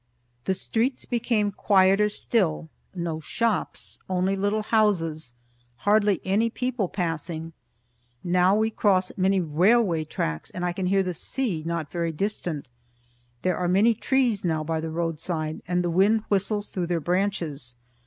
The streets became quieter still; no shops, only little houses; hardly any people passing. Now we cross many railway tracks and I can hear the sea not very distant. There are many trees now by the roadside, and the wind whistles through their branches.